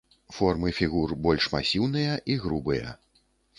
Формы фігур больш масіўныя і грубыя.